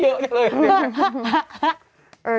เยอะได้เลย